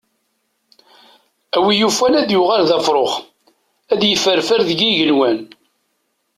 A wi yufan ad yuɣal d afrux, ad yefferfer deg yigenwan.